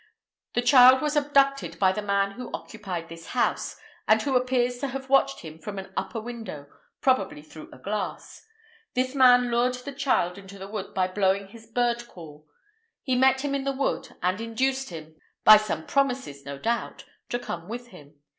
The child was abducted by the man who occupied this house, and who appears to have watched him from an upper window, probably through a glass. This man lured the child into the wood by blowing this bird call; he met him in the wood, and induced him—by some promises, no doubt—to come with him.